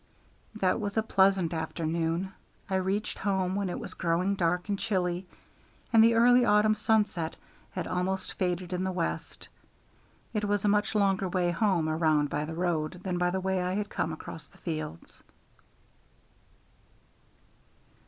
That was a pleasant afternoon. I reached home when it was growing dark and chilly, and the early autumn sunset had almost faded in the west. It was a much longer way home around by the road than by the way I had come across the fields.